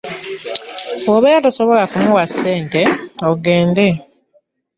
Bwobeera tosobola kumuwa ssente agende.